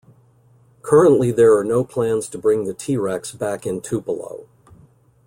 Currently there are no plans to bring the T-Rex back in Tupelo.